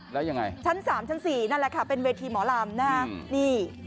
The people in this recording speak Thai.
แล้วยังไงชั้น๓ชั้น๔นั่นแหละค่ะเป็นเวทีหมอลำนะฮะนี่